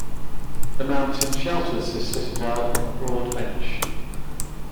The mountain shelters this citadel on a broad bench.